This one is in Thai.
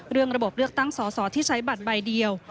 เรื่องระบบเลือกตั้งสอที่ใช้บัตรใบเดียว